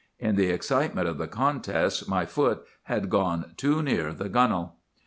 In the excitement of the contest my foot had gone too near the gunwale.